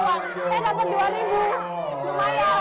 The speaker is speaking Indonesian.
saya dapat dua ribu lumayan